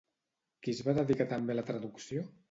Qui es va dedicar també a la traducció?